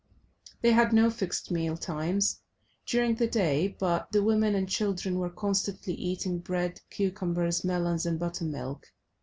They had no fixed meal times during the day, but the women and children were constantly eating bread, cucumbers, melons and buttermilk.